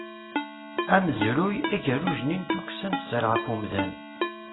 Amezruy, agerruj-nni n tukksa n sser ɣef umdan.